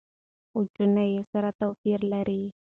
خجونه يې سره توپیر لري.